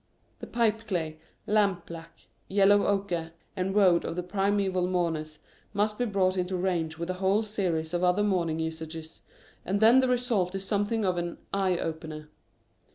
The pipeclay, lampblack, yellow ochre, and woad of the primeval mourners must be brought into range with a whole series of other mourning usages, and then the result is something of an " eye opener."